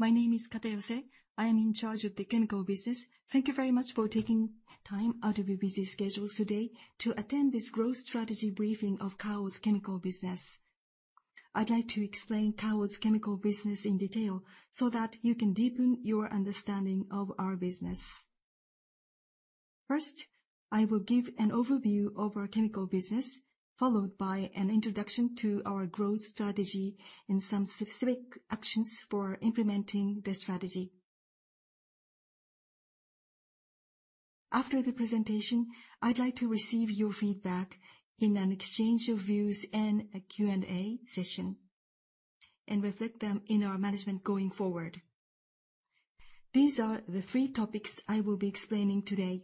My name is Katayose. I am in charge of the chemical business. Thank you very much for taking time out of your busy schedules today to attend this growth strategy briefing of Kao's chemical business. I'd like to explain Kao's chemical business in detail so that you can deepen your understanding of our business. First, I will give an overview of our chemical business, followed by an introduction to our growth strategy and some specific actions for implementing the strategy. After the presentation, I'd like to receive your feedback in an exchange of views in a Q&A session and reflect them in our management going forward. These are the three topics I will be explaining today.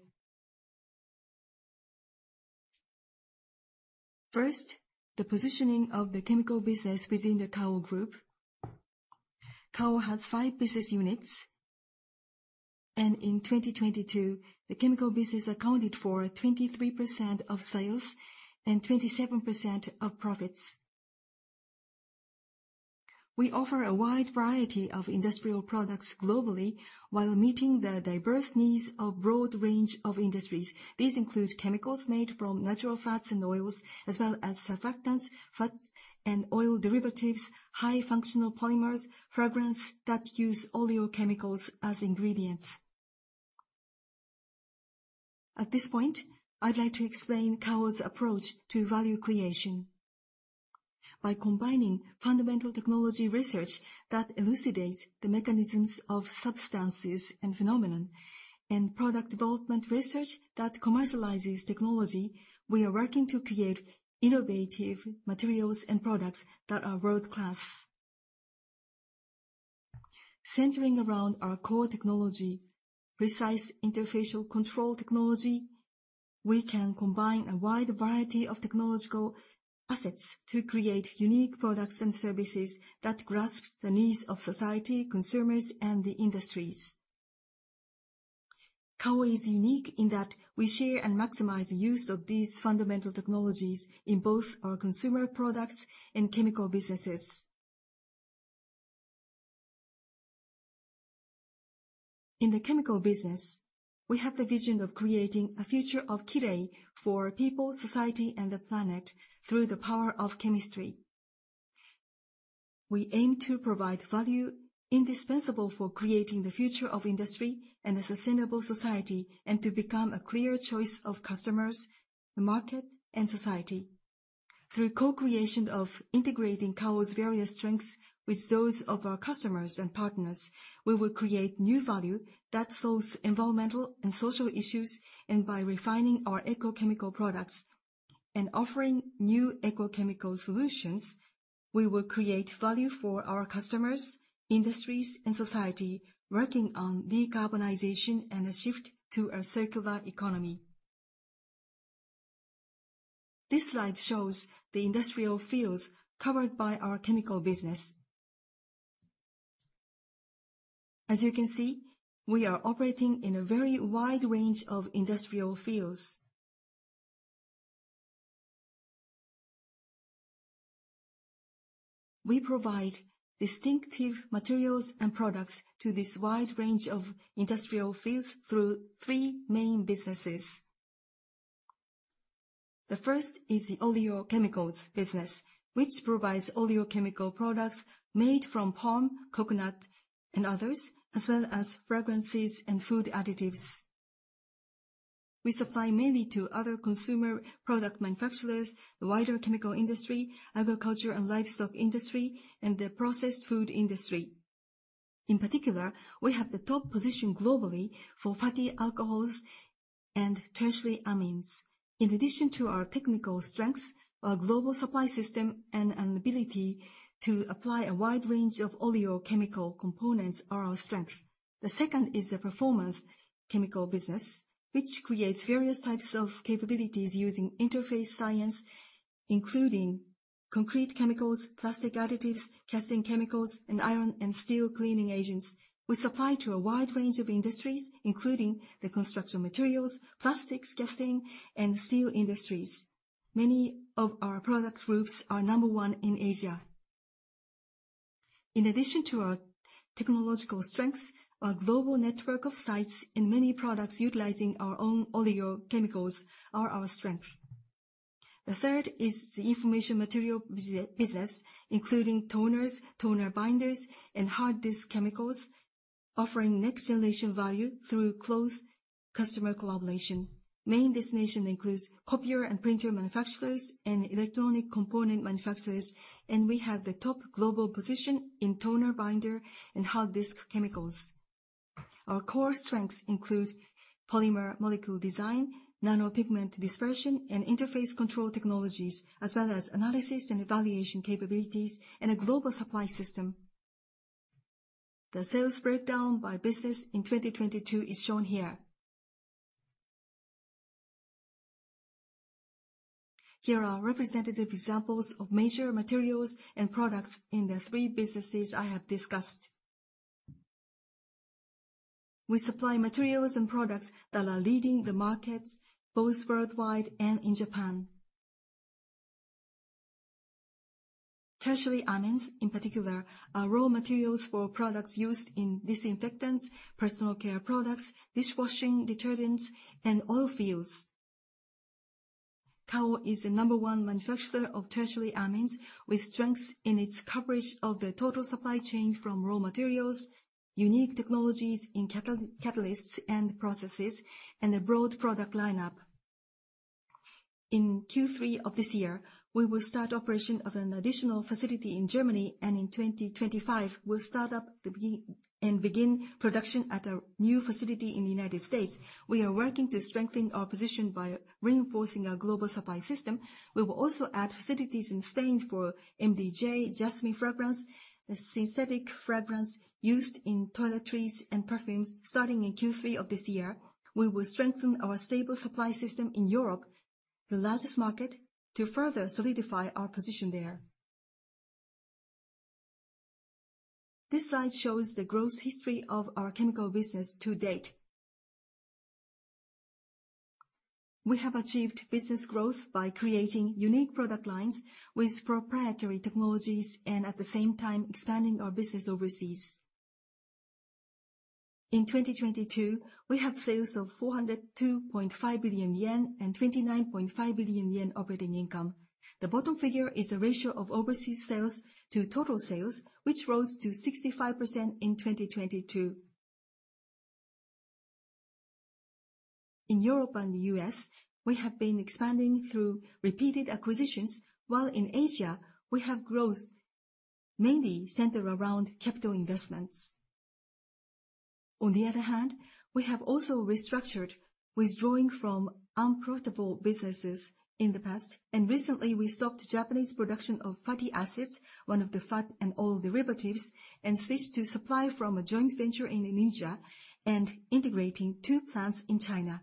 First, the positioning of the chemical business within the Kao Group. Kao has five business units, and in 2022, the chemical business accounted for 23% of sales and 27% of profits. We offer a wide variety of industrial products globally while meeting the diverse needs of broad range of industries. These include chemicals made from natural fats and oils, as well as surfactants, fat and oil derivatives, high functional polymers, fragrance that use oleochemicals as ingredients. At this point, I'd like to explain Kao's approach to value creation. By combining fundamental technology research that elucidates the mechanisms of substances and phenomenon and product development research that commercializes technology, we are working to create innovative materials and products that are world-class. Centering around our core technology, precise interface control technology, we can combine a wide variety of technological assets to create unique products and services that grasp the needs of society, consumers, and the industries. Kao is unique in that we share and maximize the use of these fundamental technologies in both our consumer products and chemical businesses. In the chemical business, we have the vision of creating a future of Kirei for people, society, and the planet through the power of chemistry. We aim to provide value indispensable for creating the future of industry and a sustainable society, and to become a clear choice of customers, the market, and society. Through co-creation of integrating Kao's various strengths with those of our customers and partners, we will create new value that solves environmental and social issues, and by refining our eco-chemical products and offering new eco-chemical solutions, we will create value for our customers, industries, and society working on decarbonization and a shift to a circular economy. This slide shows the industrial fields covered by our chemical business. As you can see, we are operating in a very wide range of industrial fields. We provide distinctive materials and products to this wide range of industrial fields through three main businesses. The first is the oleochemicals business, which provides oleochemical products made from palm, coconut, and others, as well as fragrances and food additives. We supply mainly to other consumer product manufacturers, the wider chemical industry, agriculture and livestock industry, and the processed food industry. In particular, we have the top position globally for fatty alcohols and tertiary amines. In addition to our technical strengths, our global supply system and ability to apply a wide range of oleochemical components are our strengths. The second is the performance chemical business, which creates various types of capabilities using interface science, including concrete chemicals, plastic additives, casting chemicals, and iron and steel cleaning agents. We supply to a wide range of industries, including the construction materials, plastics, casting, and steel industries. Many of our product groups are number one in Asia. In addition to our technological strengths, our global network of sites and many products utilizing our own oleochemicals are our strength. The third is the information material business, including toners, toner binders, and hard disk chemicals, offering next-generation value through close customer collaboration. Main destination includes copier and printer manufacturers and electronic component manufacturers. We have the top global position in toner binder and hard disk chemicals. Our core strengths include polymer molecule design, nano-pigment dispersion, and interface control technologies, as well as analysis and evaluation capabilities, and a global supply system. The sales breakdown by business in 2022 is shown here. Here are representative examples of major materials and products in the three businesses I have discussed. We supply materials and products that are leading the markets both worldwide and in Japan. Tertiary amines in particular are raw materials for products used in disinfectants, personal care products, dishwashing detergents, and oil fields. Kao is the number one manufacturer of tertiary amines with strength in its coverage of the total supply chain from raw materials, unique technologies in catalysts and processes, and a broad product lineup. In Q3 of this year, we will start operation of an additional facility in Germany. In 2025, we'll start up and begin production at a new facility in the United States. We are working to strengthen our position by reinforcing our global supply system. We will also add facilities in Spain for MBJ jasmine fragrance, a synthetic fragrance used in toiletries and perfumes. Starting in Q3 of this year, we will strengthen our stable supply system in Europe, the largest market, to further solidify our position there. This slide shows the growth history of our chemical business to date. We have achieved business growth by creating unique product lines with proprietary technologies and, at the same time, expanding our business overseas. In 2022, we had sales of 402.5 billion yen and 29.5 billion yen operating income. The bottom figure is a ratio of overseas sales to total sales, which rose to 65% in 2022. In Europe and the U.S., we have been expanding through repeated acquisitions, while in Asia, we have growth mainly centered around capital investments. We have also restructured, withdrawing from unprofitable businesses in the past. Recently, we stopped Japanese production of fatty acids, one of the fat and oil derivatives, switched to supply from a joint venture in Indonesia and integrating two plants in China.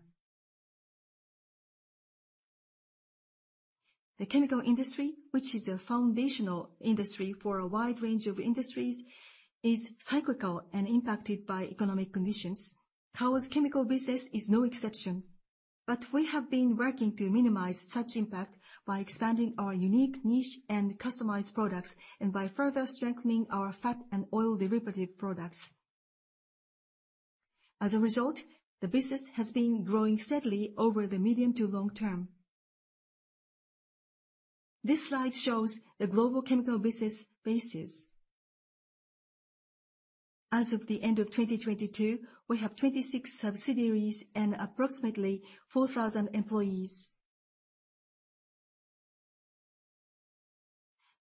The chemical industry, which is a foundational industry for a wide range of industries, is cyclical and impacted by economic conditions. Kao's chemical business is no exception. We have been working to minimize such impact by expanding our unique niche and customized products and by further strengthening our fat and oil derivative products. As a result, the business has been growing steadily over the medium to long term. This slide shows the global chemical business bases. As of the end of 2022, we have 26 subsidiaries and approximately 4,000 employees.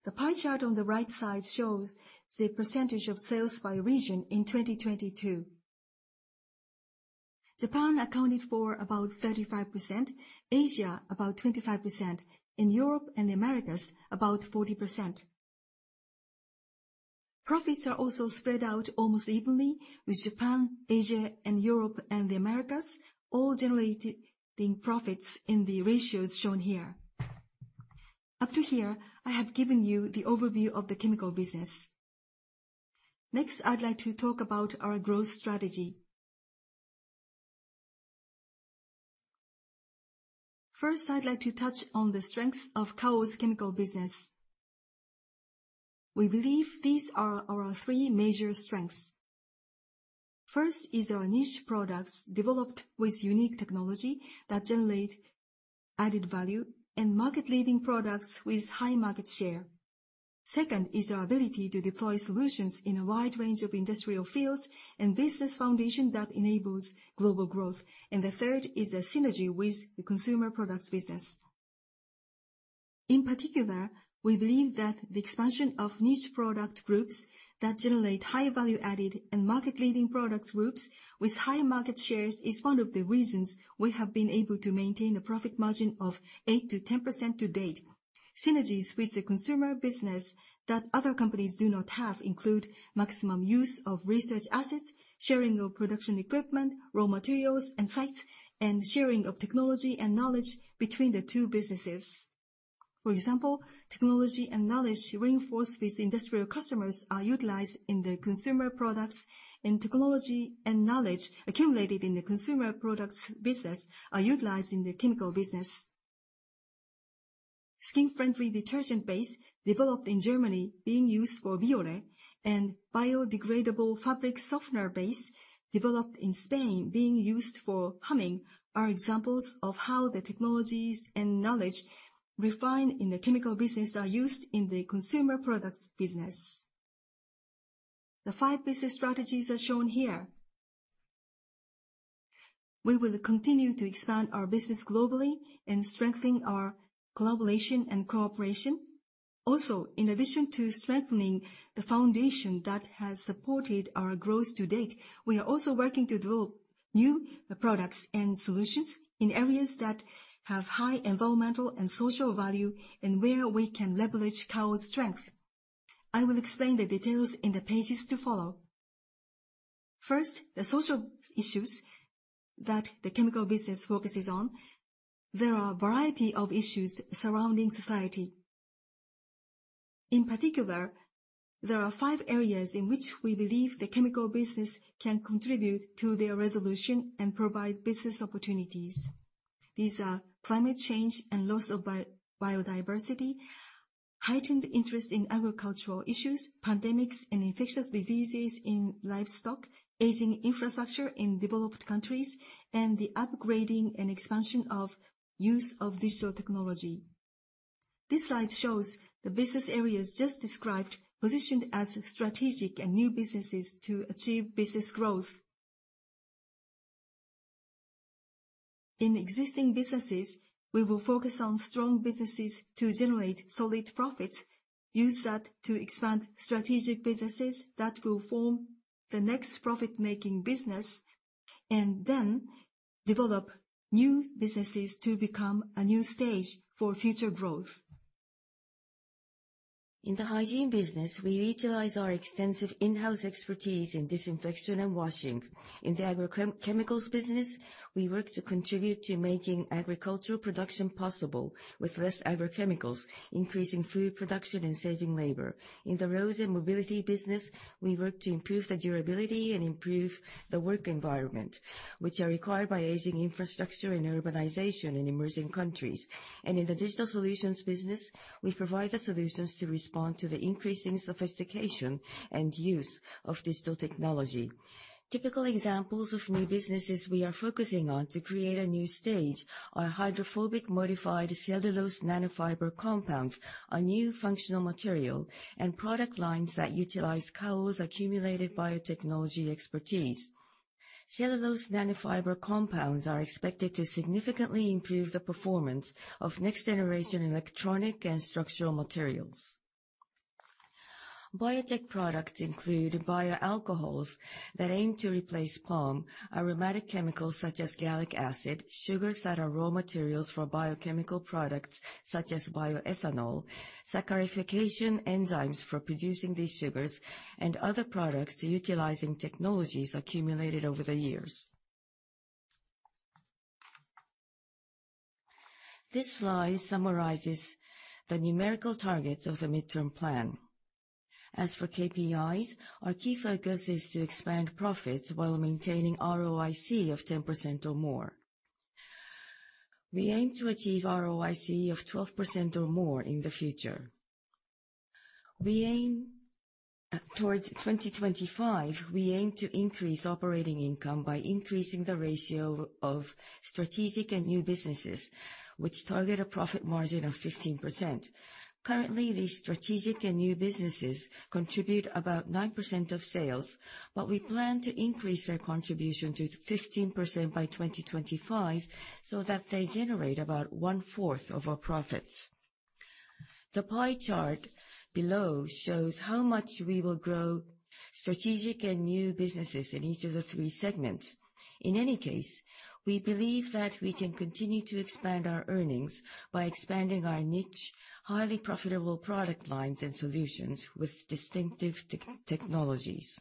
The pie chart on the right side shows the percentage of sales by region in 2022. Japan accounted for about 35%, Asia about 25%, and Europe and the Americas about 40%. Profits are also spread out almost evenly, with Japan, Asia, and Europe and the Americas all generating profits in the ratios shown here. Up to here, I have given you the overview of the chemical business. Next, I'd like to talk about our growth strategy. First, I'd like to touch on the strengths of Kao's chemical business. We believe these are our three major strengths. First is our niche products developed with unique technology that generate added value and market-leading products with high market share. Second is our ability to deploy solutions in a wide range of industrial fields and business foundation that enables global growth. The third is a synergy with the consumer products business. In particular, we believe that the expansion of niche product groups that generate high value added and market-leading product groups with high market shares is one of the reasons we have been able to maintain a profit margin of 8%-10% to date. Synergies with the consumer business that other companies do not have include maximum use of research assets, sharing of production equipment, raw materials, and sites, and sharing of technology and knowledge between the two businesses. For example, technology and knowledge reinforced with industrial customers are utilized in the consumer products, and technology and knowledge accumulated in the consumer products business are utilized in the chemical business. Skin-friendly detergent base developed in Germany being used for Bioré and biodegradable fabric softener base developed in Spain being used for Humming are examples of how the technologies and knowledge refined in the chemical business are used in the consumer products business. The five business strategies are shown here. We will continue to expand our business globally and strengthen our collaboration and cooperation. In addition to strengthening the foundation that has supported our growth to date, we are also working to develop new products and solutions in areas that have high environmental and social value and where we can leverage Kao's strength. I will explain the details in the pages to follow. First, the social issues that the chemical business focuses on. There are a variety of issues surrounding society. In particular, there are five areas in which we believe the chemical business can contribute to their resolution and provide business opportunities. These are climate change and loss of biodiversity, heightened interest in agricultural issues, pandemics and infectious diseases in livestock, aging infrastructure in developed countries, and the upgrading and expansion of use of digital technology. This slide shows the business areas just described, positioned as strategic and new businesses to achieve business growth. In existing businesses, we will focus on strong businesses to generate solid profits, use that to expand strategic businesses that will form the next profit-making business, then develop new businesses to become a new stage for future growth. In the hygiene business, we utilize our extensive in-house expertise in disinfection and washing. In the agricultural chemicals business, we work to contribute to making agricultural production possible with less agrochemicals, increasing food production and saving labor. In the roads and mobility business, we work to improve the durability and improve the work environment, which are required by aging infrastructure and urbanization in emerging countries. In the digital solutions business, we provide the solutions to respond to the increasing sophistication and use of digital technology. Typical examples of new businesses we are focusing on to create a new stage are hydrophobic modified cellulose nanofiber compounds, a new functional material, and product lines that utilize Kao's accumulated biotechnology expertise. Cellulose nanofiber compounds are expected to significantly improve the performance of next-generation electronic and structural materials. Biotech products include bioalcohols that aim to replace palm, aromatic chemicals such as gallic acid, sugars that are raw materials for biochemical products such as bioethanol, saccharification enzymes for producing these sugars, and other products utilizing technologies accumulated over the years. This slide summarizes the numerical targets of the midterm plan. As for KPIs, our key focus is to expand profits while maintaining ROIC of 10% or more. We aim to achieve ROIC of 12% or more in the future. Towards 2025, we aim to increase operating income by increasing the ratio of strategic and new businesses, which target a profit margin of 15%. Currently, these strategic and new businesses contribute about 9% of sales, but we plan to increase their contribution to 15% by 2025 so that they generate about one-fourth of our profits. The pie chart below shows how much we will grow strategic and new businesses in each of the three segments. In any case, we believe that we can continue to expand our earnings by expanding our niche, highly profitable product lines and solutions with distinctive technologies.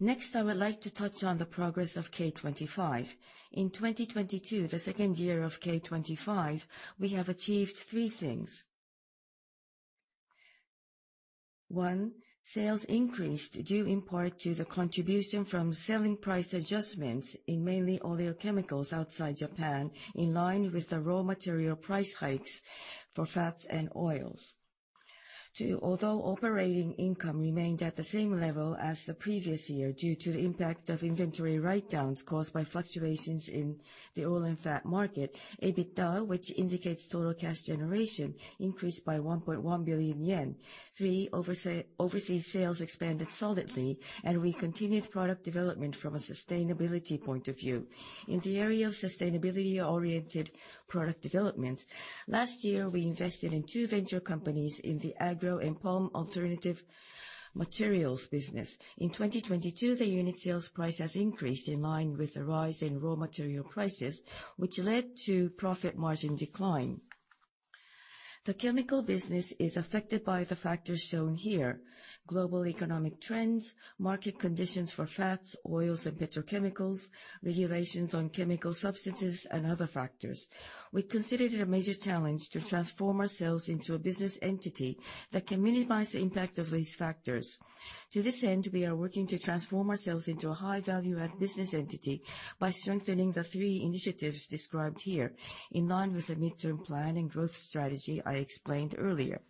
Next, I would like to touch on the progress of K25. In 2022, the second year of K25, we have achieved three things. One, sales increased, due in part to the contribution from selling price adjustments in mainly oleochemicals outside Japan, in line with the raw material price hikes for fats and oils. Two, although operating income remained at the same level as the previous year due to the impact of inventory write-downs caused by fluctuations in the oil and fat market, EBITDA, which indicates total cash generation, increased by 1.1 billion yen. Three, overseas sales expanded solidly, and we continued product development from a sustainability point of view. In the area of sustainability-oriented product development, last year, we invested in two venture companies in the agro and palm alternative materials business. In 2022, the unit sales price has increased in line with the rise in raw material prices, which led to profit margin decline. The chemical business is affected by the factors shown here: global economic trends, market conditions for fats, oils, and petrochemicals, regulations on chemical substances, and other factors. We consider it a major challenge to transform ourselves into a business entity that can minimize the impact of these factors. To this end, we are working to transform ourselves into a high value-add business entity by strengthening the three initiatives described here, in line with the midterm plan and growth strategy I explained earlier.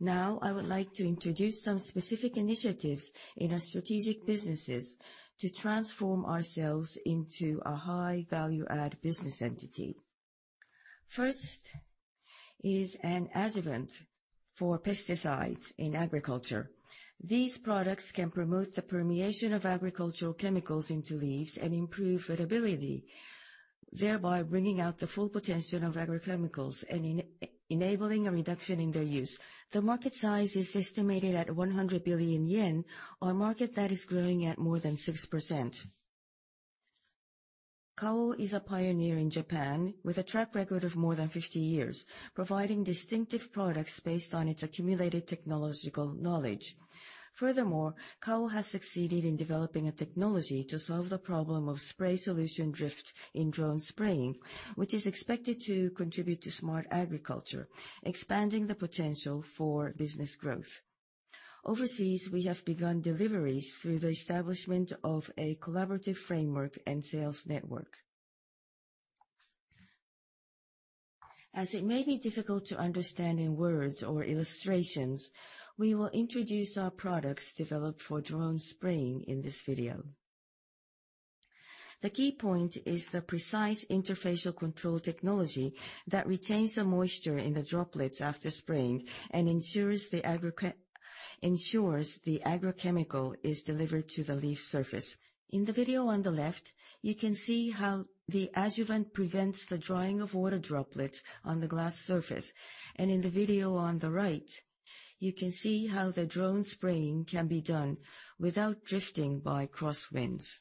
Now, I would like to introduce some specific initiatives in our strategic businesses to transform ourselves into a high value-add business entity. First is an adjuvant for pesticides in agriculture. These products can promote the permeation of agricultural chemicals into leaves and improve fertility, thereby bringing out the full potential of agrochemicals and enabling a reduction in their use. The market size is estimated at 100 billion yen, a market that is growing at more than 6%. Kao is a pioneer in Japan with a track record of more than 50 years, providing distinctive products based on its accumulated technological knowledge. Furthermore, Kao has succeeded in developing a technology to solve the problem of spray solution drift in drone spraying, which is expected to contribute to smart agriculture, expanding the potential for business growth. It may be difficult to understand in words or illustrations, we will introduce our products developed for drone spraying in this video. The key point is the precise interface control technology that retains the moisture in the droplets after spraying and ensures the agrochemical is delivered to the leaf surface. In the video on the left, you can see how the adjuvant prevents the drying of water droplets on the glass surface, and in the video on the right, you can see how the drone spraying can be done without drifting by crosswinds.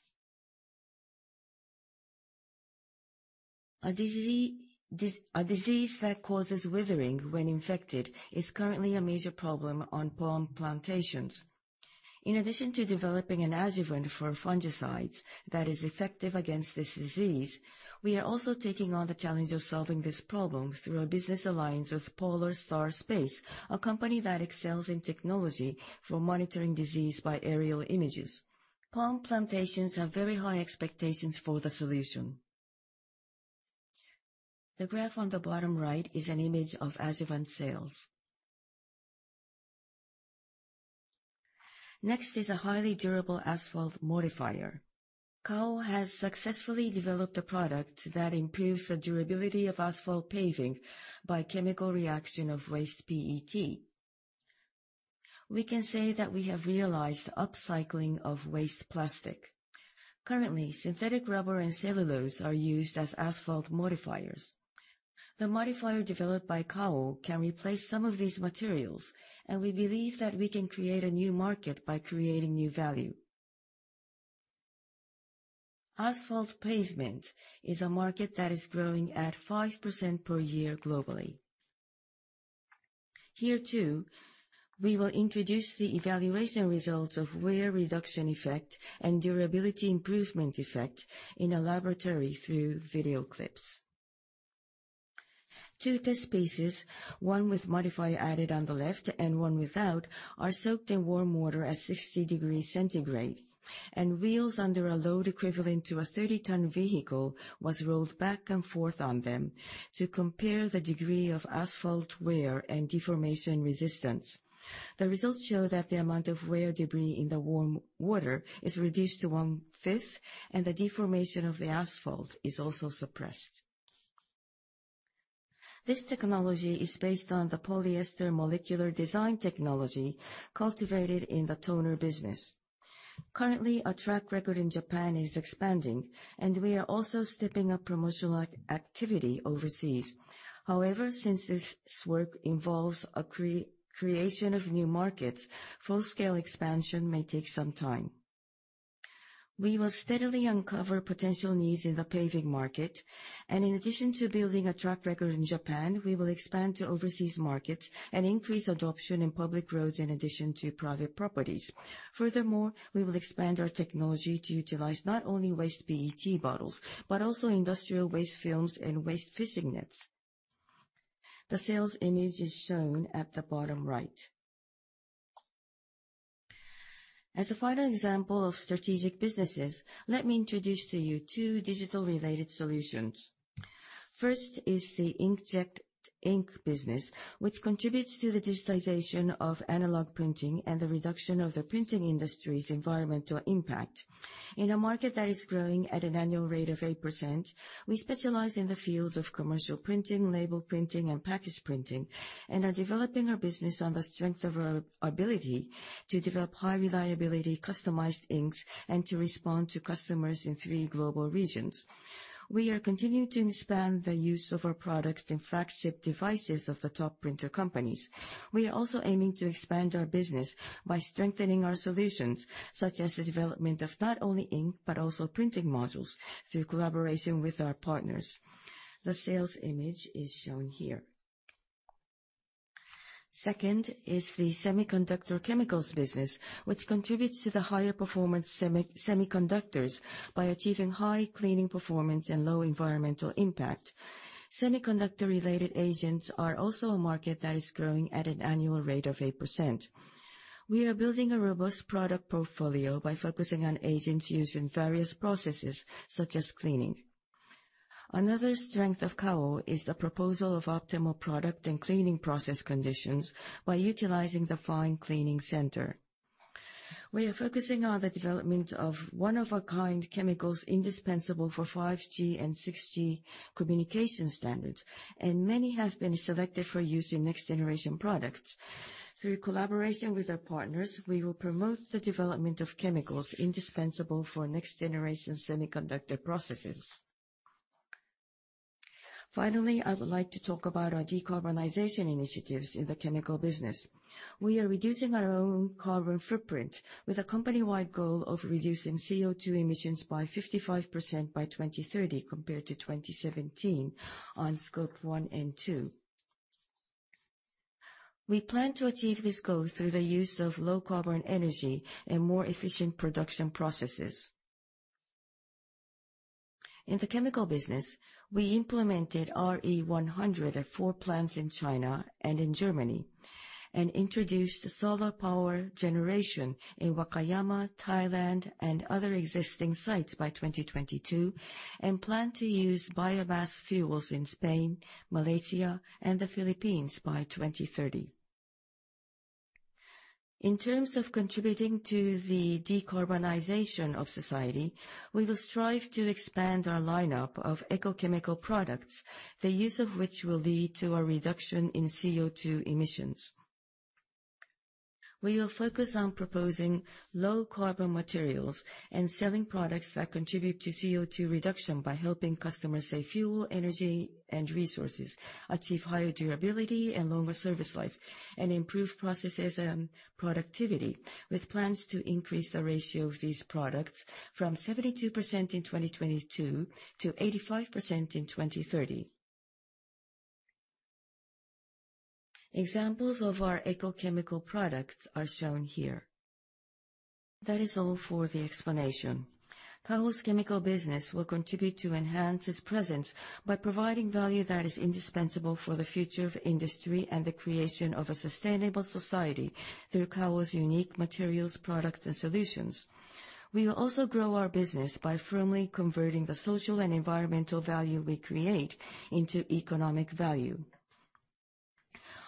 A disease that causes withering when infected is currently a major problem on palm plantations. In addition to developing an adjuvant for fungicides that is effective against this disease, we are also taking on the challenge of solving this problem through a business alliance with Polar Star Space, a company that excels in technology for monitoring disease by aerial images. Palm plantations have very high expectations for the solution. The graph on the bottom right is an image of adjuvant sales. Next is a highly durable asphalt modifier. Kao has successfully developed a product that improves the durability of asphalt paving by chemical reaction of waste PET. We can say that we have realized upcycling of waste plastic. Currently, synthetic rubber and cellulose are used as asphalt modifiers. The modifier developed by Kao can replace some of these materials, and we believe that we can create a new market by creating new value. Asphalt pavement is a market that is growing at 5% per year globally. Here too, we will introduce the evaluation results of wear reduction effect and durability improvement effect in a laboratory through video clips. Two test pieces, one with modifier added on the left and one without, are soaked in warm water at 60 degrees Celsius, and wheels under a load equivalent to a 30-ton vehicle was rolled back and forth on them to compare the degree of asphalt wear and deformation resistance. The results show that the amount of wear debris in the warm water is reduced to one-fifth, and the deformation of the asphalt is also suppressed. This technology is based on the polyester molecular design technology cultivated in the toner business. Currently, our track record in Japan is expanding, and we are also stepping up promotional activity overseas. Since this work involves a creation of new markets, full-scale expansion may take some time. We will steadily uncover potential needs in the paving market, and in addition to building a track record in Japan, we will expand to overseas markets and increase adoption in public roads in addition to private properties. Furthermore, we will expand our technology to utilize not only waste PET bottles, but also industrial waste films and waste fishing nets. The sales image is shown at the bottom right. As a final example of strategic businesses, let me introduce to you 2 digital-related solutions. First is the inkjet ink business, which contributes to the digitalization of analog printing and the reduction of the printing industry's environmental impact. In a market that is growing at an annual rate of 8%, we specialize in the fields of commercial printing, label printing, and package printing, and are developing our business on the strength of our ability to develop high-reliability, customized inks and to respond to customers in 3 global regions. We are continuing to expand the use of our products in flagship devices of the top printer companies. We are also aiming to expand our business by strengthening our solutions, such as the development of not only ink, but also printing modules, through collaboration with our partners. The sales image is shown here. Second is the semiconductor chemicals business, which contributes to the higher performance semiconductors by achieving high cleaning performance and low environmental impact. Semiconductor-related agents are also a market that is growing at an annual rate of 8%. We are building a robust product portfolio by focusing on agents used in various processes, such as cleaning. Another strength of Kao is the proposal of optimal product and cleaning process conditions while utilizing the Fine Cleaning Center. We are focusing on the development of one-of-a-kind chemicals indispensable for 5G and 6G communication standards, and many have been selected for use in next-generation products. Through collaboration with our partners, we will promote the development of chemicals indispensable for next-generation semiconductor processes. Finally, I would like to talk about our decarbonization initiatives in the chemical business. We are reducing our own carbon footprint with a company-wide goal of reducing CO2 emissions by 55% by 2030 compared to 2017 on Scope 1 and 2. We plan to achieve this goal through the use of low-carbon energy and more efficient production processes. In the chemical business, we implemented RE100 at 4 plants in China and in Germany, and introduced solar power generation in Wakayama, Thailand, and other existing sites by 2022, and plan to use biomass fuels in Spain, Malaysia, and the Philippines by 2030. In terms of contributing to the decarbonization of society, we will strive to expand our lineup of eco-chemical products, the use of which will lead to a reduction in CO2 emissions. We will focus on proposing low-carbon materials and selling products that contribute to CO2 reduction by helping customers save fuel, energy, and resources, achieve higher durability and longer service life, and improve processes and productivity with plans to increase the ratio of these products from 72% in 2022 to 85% in 2030. Examples of our eco-chemical products are shown here. That is all for the explanation. Kao's chemical business will contribute to enhance its presence by providing value that is indispensable for the future of industry and the creation of a sustainable society through Kao's unique materials, products, and solutions. We will also grow our business by firmly converting the social and environmental value we create into economic value.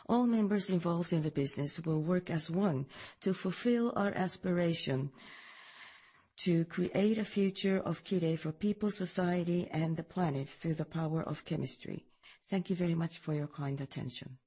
All members involved in the business will work as one to fulfill our aspiration to create a future of Kirei for people, society, and the planet through the power of chemistry. Thank you very much for your kind attention.